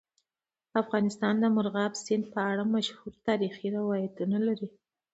افغانستان د مورغاب سیند په اړه مشهور تاریخی روایتونه لري.